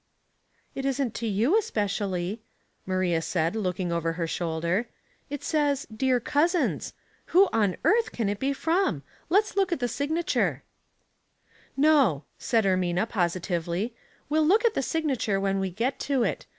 " It isn't to you especiall}^" Maria said, look ing over her shoulder. " It says 'Dear Cousins,* Who on earth can it be from ? Let's look at the signature." 186 Household Puzzles* "No," said Ermina, positively; "we'll look at the signature when we get to it.